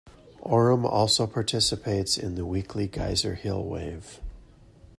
Aurum also participates in the weekly Geyser Hill wave.